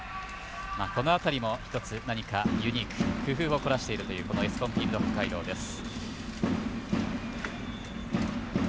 この辺りも一つ、何かユニーク工夫を凝らしているエスコンフィールド北海道です。